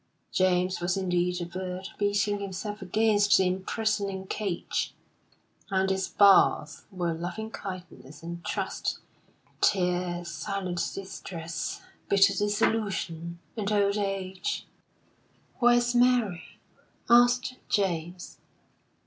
James was indeed a bird beating himself against the imprisoning cage; and its bars were loving kindness and trust, tears, silent distress, bitter disillusion, and old age. "Where's Mary?" asked James.